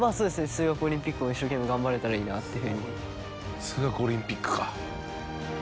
数学オリンピックも一生懸命頑張れたらいいなっていうふうに。